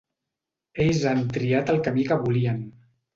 Ells han triat el camí que volien.